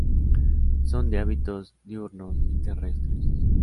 Son de hábitos diurnos y terrestres.